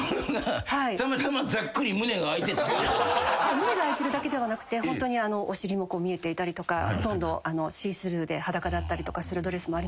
胸が開いてるだけではなくてホントにお尻も見えていたりとかほとんどシースルーで裸だったりするドレスもありますし。